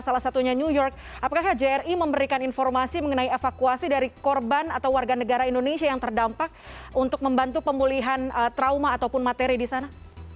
salah satunya new york apakah kjri memberikan informasi mengenai evakuasi dari korban atau warga negara indonesia yang terdampak untuk membantu pemulihan trauma ataupun materi di sana